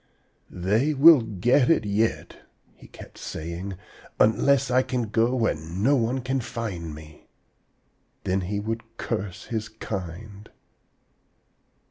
'They will get it yet,' he kept saying, 'unless I can go where no one can find me.' Then he would curse his kind.